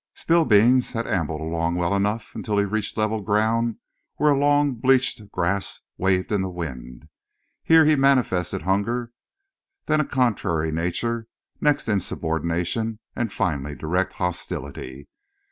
Spillbeans had ambled along well enough until he reached level ground where a long bleached grass waved in the wind. Here he manifested hunger, then a contrary nature, next insubordination, and finally direct hostility.